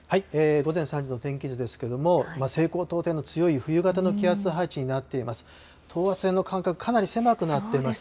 午前３時の天気図ですけども、西高東低の強い冬型の気圧配置になっています。